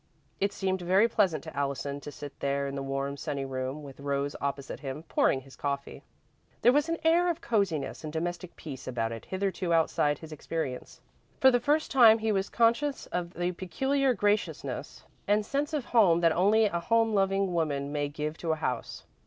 It seemed very pleasant to Allison to sit there in the warm, sunny room, with Rose opposite him, pouring his coffee. There was an air of cosiness and domestic peace about it hitherto outside his experience. For the first time he was conscious of the peculiar graciousness and sense of home that only a home loving woman may give to a house.